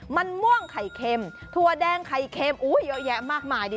มันม่วงไข่เค็มถั่วแดงไข่เค็มเยอะแยะมากมายดี